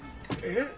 えっ？